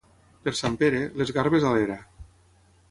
Per sant Pere, les garbes a l'era.